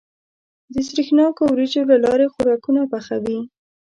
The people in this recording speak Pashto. د سرېښناکو وريجو له لارې خوراکونه پخوي.